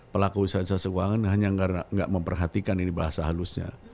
pelaku jasa keuangan hanya karena gak memperhatikan ini bahasa halusnya